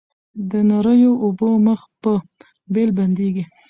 د نریو اوبو مخ په بېل بندیږي